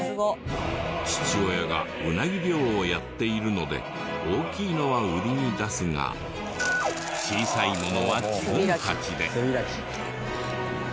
父親がうなぎ漁をやっているので大きいのは売りに出すが小さいものは自分たちで。